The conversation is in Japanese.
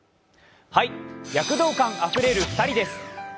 躍動感あふれる２人です。